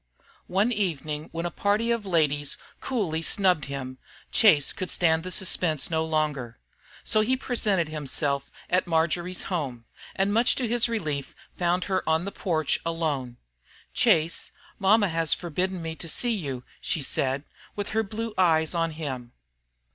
One evening when a party of ladies coolly snubbed him, Chase could stand the suspense no longer. So he presented himself at Marjory's home, and much to his relief found her on the porch alone. "Chase, mama has forbidden me to see you," she said, with her blue eyes on him.